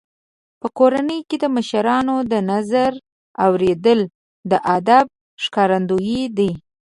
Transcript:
په کورنۍ کې د مشرانو د نظر اورېدل د ادب ښکارندوی دی.